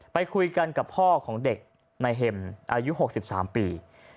ไปคุยกันกับพ่อของเด็กในเห็มอายุ๖๓ปี